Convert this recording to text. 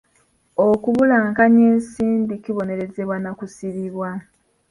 Okubulankanya ensimbi kibonerezebwa na kusibibwa.